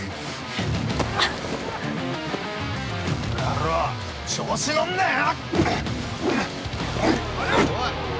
◆この野郎、調子乗んなよ。